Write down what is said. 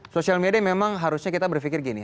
sosial media memang harusnya kita berpikir gini